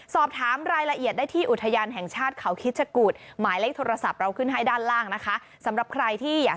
สอบถามรายละเอียดได้ที่อุทยานแห่งชาติเขาคิดชะกุฎหมายเลขโทรศัพท์เราขึ้นให้ด้านล่างนะคะสำหรับใครที่อยาก